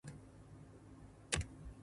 たらたらしてんじゃねぇよ